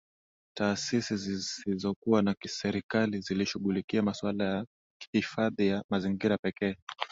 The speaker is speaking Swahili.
Taasisi zisizokuwa za kiserikali zilishughulikia masuala ya hifadhi ya mazingira pekee